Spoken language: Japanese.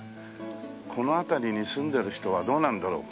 この辺りに住んでる人はどうなんだろうか？